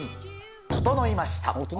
整いました。